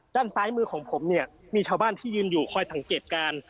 ด้านซ้ายมือของผมเนี่ยมีชาวบ้านที่ยืนอยู่คอยสังเกตการณ์